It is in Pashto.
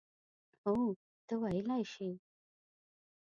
هو، ته ویلای شې.